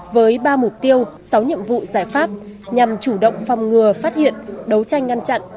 với ba mục tiêu sáu nhiệm vụ giải pháp nhằm chủ động phòng ngừa phát hiện đấu tranh ngăn chặn